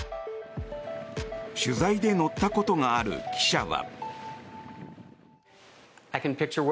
取材で乗ったことがある記者は。